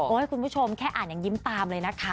คุณผู้ชมแค่อ่านยังยิ้มตามเลยนะคะ